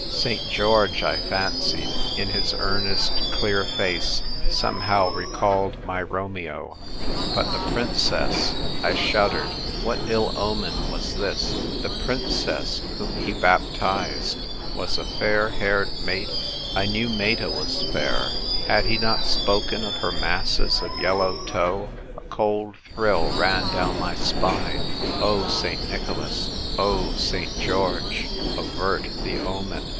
St. George, I fancied, in his earnest, clear face, somehow recalled my Romeo ; but the Princess — I shuddered : what ill omen was this ? The Princess whom he baptised was a fair haired maiden. I knew Meta was fair — 230 THE TYPE WRITER GIRL. had he not spoken of her "masses of yellow tow "? A cold thrill ran down my spine. Oh, St. Nicholas — oh, St. George, avert the omen